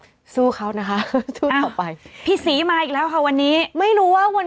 ดีน่ะกินของออร์แกนิคก็สงสารผู้ประกอบการไม่อยากไปซ้ำเติมอะไรแข็งแด๋ว